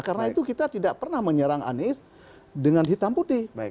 karena itu kita tidak pernah menyerang anies dengan hitam putih